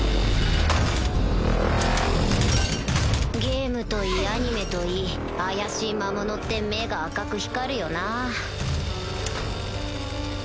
・ゲームといいアニメといい怪しい魔物って目が赤く光るよなぁ